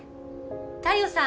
太陽さん